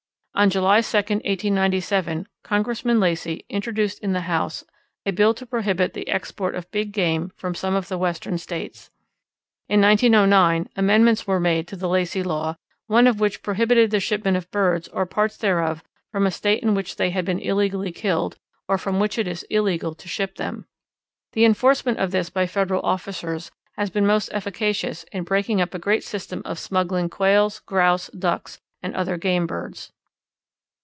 On July 2, 1897, Congressman Lacey introduced in the House a bill to prohibit the export of big game from some of the Western States. In 1909 amendments were made to the Lacey Law, one of which prohibited the shipment of birds or parts thereof from a State in which they had been illegally killed, or from which it was illegal to ship them. The enforcement of this by Federal officers has been most efficacious in breaking up a great system of smuggling Quails, Grouse, Ducks, and other game birds.